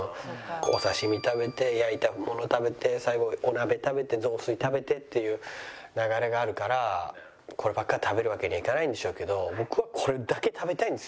お刺し身食べて焼いたもの食べて最後お鍋食べて雑炊食べてっていう流れがあるからこればっかり食べるわけにはいかないんでしょうけど僕は。